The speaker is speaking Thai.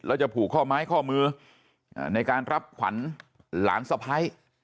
แล้วจะผูกข้อไม้ข้อมือในการรับขวัญหลานสะพ้าย